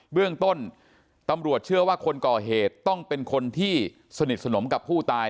เบื้องต้นตำรวจเชื่อว่าคนก่อเหตุต้องเป็นคนที่สนิทสนมกับผู้ตาย